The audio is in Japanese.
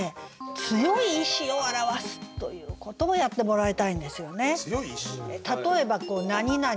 「強い意志を表す」ということをやってもらいたいんですよね。